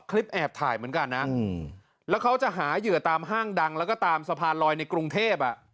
แอบถ่ายเหมือนกันนะแล้วเขาจะหาเหยื่อตามห้างดังแล้วก็ตามสะพานลอยในกรุงเทพ